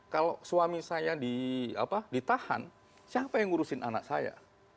kalau suami saya ditahan siapa yang ngurusin anak saya